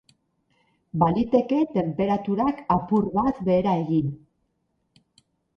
Baliteke tenperaturak apur bat behera egin.